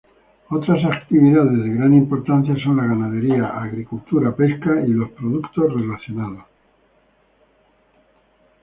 Otras actividades de gran importancia son la ganadería, agricultura, pesca y los productos relacionados.